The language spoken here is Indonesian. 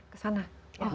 ke sana melihat dengan baik